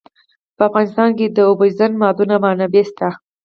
په افغانستان کې د اوبزین معدنونه منابع شته.